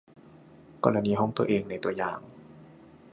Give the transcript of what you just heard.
กรณีห้องตัวเองในตัวอย่าง